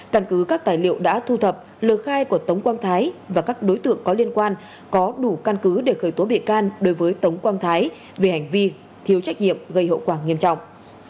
căn cứ các tài liệu đã thu thập lời khai của tống quang thái và các đối tượng có liên quan có đủ căn cứ để khởi tố bị can đối với tống quang thái về hành vi thiếu trách nhiệm gây hậu quả nghiêm trọng